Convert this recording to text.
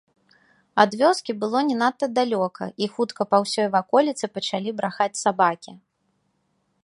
Ад вёскі было не надта далёка, і хутка па ўсёй ваколіцы пачалі брахаць сабакі.